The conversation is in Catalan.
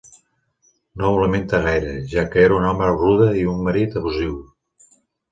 No ho lamenta gaire, ja que era un home rude i un marit abusiu.